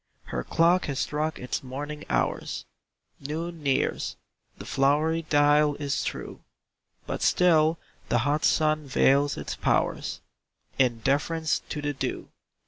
Her clock has struck its morning hours; Noon nears the flowery dial is true; But still the hot sun veils its powers, In deference to the dew.